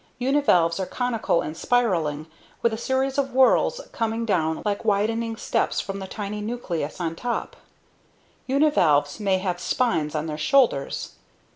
Univalves are conical and spiraling, with a series of whorls coming down like widening steps from the tiny nucleus on top. Univalves may have spines on their shoulders.